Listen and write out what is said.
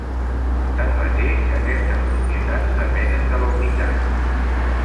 Tanmateix, aquestes propietats depenen de la humitat.